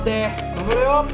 頑張れよ！